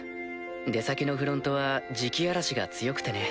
出先のフロントは磁気嵐が強くてね。